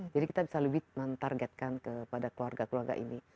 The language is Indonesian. jadi kita bisa lebih menargetkan kepada keluarga keluarga ini